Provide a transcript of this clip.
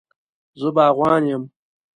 زه باغوان یم